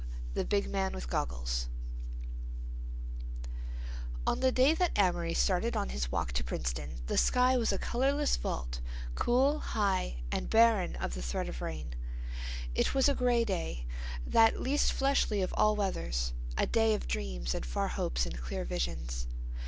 THE BIG MAN WITH GOGGLES On the day that Amory started on his walk to Princeton the sky was a colorless vault, cool, high and barren of the threat of rain. It was a gray day, that least fleshly of all weathers; a day of dreams and far hopes and clear visions.